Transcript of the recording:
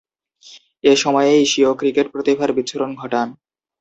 এ সময়েই স্বীয় ক্রিকেট প্রতিভার বিচ্ছুরণ ঘটান।